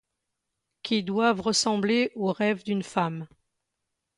Qui doivent ressembler aux rêves d'une femme